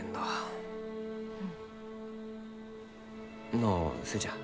のう寿恵ちゃん。